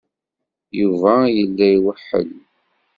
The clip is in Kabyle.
Yuba yella iweḥḥel.